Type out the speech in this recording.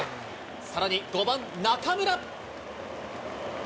さらに、５番中村。